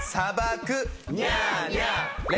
ニャーニャー。